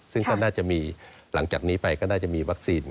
ซึ่งก็น่าจะมีหลังจากนี้ไปก็น่าจะมีวัคซีน